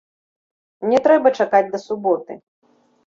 Не трэба чакаць да суботы.